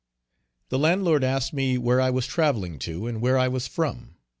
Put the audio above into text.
The landlord asked me where I was traveling to, and where I was from.